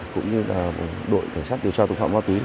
cũng như đội thẩm sát điều tra tội phạm ma túy